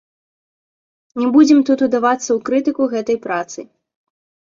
Не будзем тут удавацца ў крытыку гэтай працы.